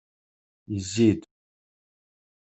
Yezzi-d.